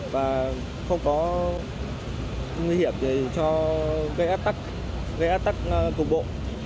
và không có nguy hiểm cho gây áp tắc cục bộ